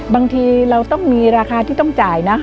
บางทีเราต้องมีราคาที่ต้องจ่ายนะ